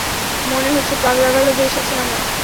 মনে হচ্ছে পাগলাগারদে এসেছি আমরা!